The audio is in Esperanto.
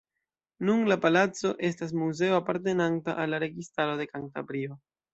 Nun la palaco estas muzeo apartenanta al la Registaro de Kantabrio.